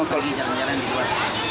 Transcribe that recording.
pagi jalan jalan di luar